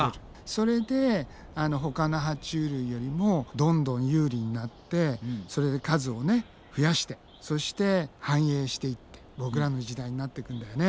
それでほかのは虫類よりもどんどん有利になってそれで数を増やしてそして繁栄していってボクらの時代になっていくんだよね。